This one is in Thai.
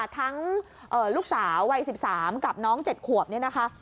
ทั้งลูกสาววัย๑๓กับน้อง๗ขวบนี่นะคะ